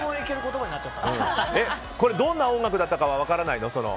どんな音楽だったかは分からないの？